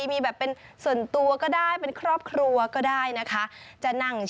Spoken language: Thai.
มีแบบเป็นส่วนตัวก็ได้เป็นครอบครัวก็ได้นะคะ